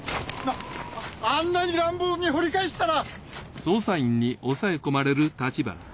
あんなに乱暴に掘り返したら。